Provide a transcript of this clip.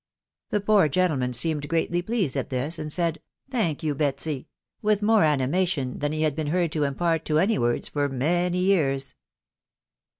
The poor gentleman seemed greatly pleased. at this, and said, " Thank you, Betsy," with more animation than he had been heard to impart to any words for many 'years.